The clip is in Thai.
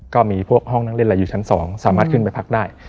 ก็มีพวกห้องนั่งเล่นอะไรอยู่ชั้น๒สามารถขึ้นไปพักได้